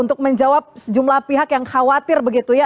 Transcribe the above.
untuk menjawab sejumlah pihak yang khawatir begitu ya